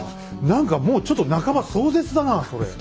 何かもうちょっと半ば壮絶だなあそれ。